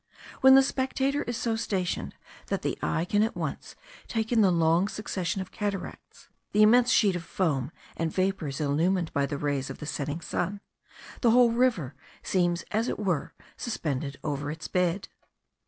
When the spectator is so stationed that the eye can at once take in the long succession of cataracts, the immense sheet of foam and vapours illumined by the rays of the setting sun, the whole river seems as it were suspended over its bed.